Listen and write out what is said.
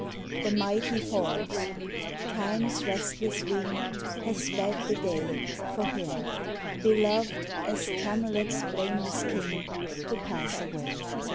The mighty falls: Time's restless wing Has sped the day, For him! beloved as Camelot's blameless king To pass away.